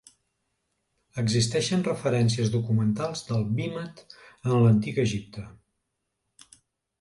Existeixen referències documentals del vímet en l'Antic Egipte.